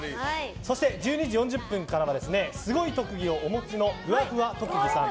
そして、１２時４０分からはすごい特技をお持ちのふわふわ特技さん。